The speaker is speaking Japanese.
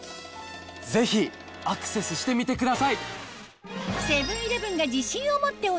ぜひアクセスしてみてください！